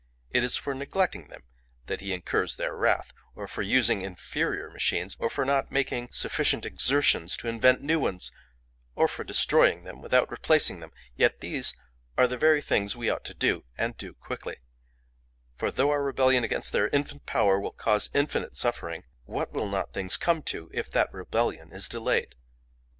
It is for neglecting them that he incurs their wrath, or for using inferior machines, or for not making sufficient exertions to invent new ones, or for destroying them without replacing them; yet these are the very things we ought to do, and do quickly; for though our rebellion against their infant power will cause infinite suffering, what will not things come to, if that rebellion is delayed?